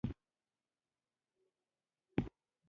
اشانټي متل وایي ښه مشاورین سوله راوړي.